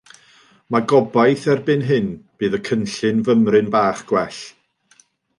Mae gobaith erbyn hyn bydd y cynllun fymryn bach gwell.